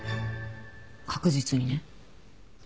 確実にね。